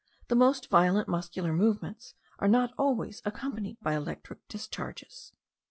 The most violent muscular movements are not always accompanied by electric discharges.